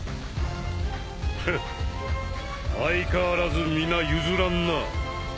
フッ相変わらず皆譲らんな。